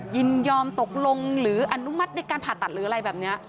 ยินยอมตกลงหรืออนุมัติในการผ่าตัดหรืออะไรแบบนี้